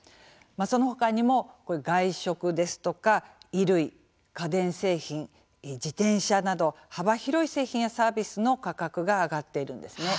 その他にも外食ですとか衣類、家電製品、自転車など幅広い製品やサービスの価格が上がっているんです。